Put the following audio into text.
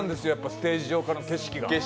ステージ上からの景色が。